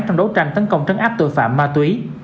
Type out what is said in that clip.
trong đấu tranh tấn công trấn áp tội phạm ma túy